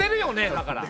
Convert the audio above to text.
だから。